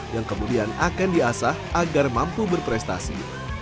yang kemudian akan diasah agar mampu berprestasi